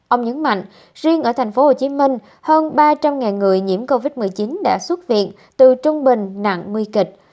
ông nhấn mạnh riêng ở tp hcm hơn ba trăm linh người nhiễm covid một mươi chín đã xuất viện từ trung bình nặng nguy kịch